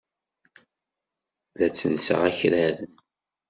La ttellseɣ akraren.